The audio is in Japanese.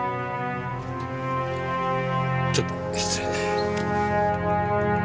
ちょっと失礼。